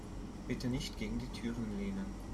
Bitte nicht gegen die Türen lehnen.